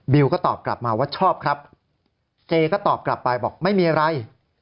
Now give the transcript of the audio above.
ก็ตอบกลับมาว่าชอบครับเจก็ตอบกลับไปบอกไม่มีอะไร